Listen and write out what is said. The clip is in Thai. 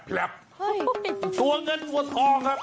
ตัวเงินตัวทองครับ